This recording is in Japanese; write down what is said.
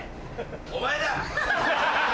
お前だ！